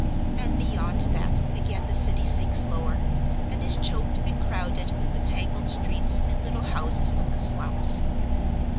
And beyond that again the City sinks lower, and is choked and crowded with the tangled streets and little houses of the slums.